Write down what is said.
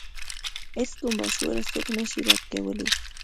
هیڅ کوم باشعوره څوک نشي رد کولای.